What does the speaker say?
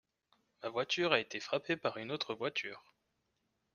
Ma voiture a été frappée par une autre voiture.